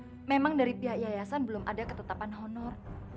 tapi memang dari pihak yayasan belum ada ketetapan honor